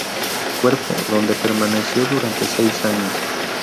Cuerpo, donde permaneció durante seis años.